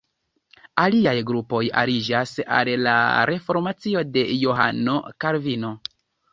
Aliaj grupoj aliĝas al la reformacio de Johano Kalvino.